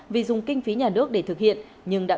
vì dùng kinh phí nhà nước để thực hiện